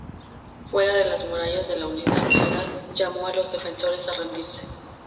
Fuera de las murallas de la ciudad, llamó a los defensores a rendirse.